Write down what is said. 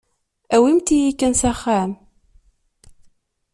Awimt-iyi kan s axxam.